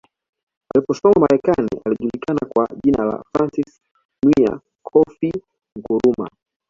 Aliposoma Marekani alijulikana kwa jina la Francis Nwia Kofi Nkrumah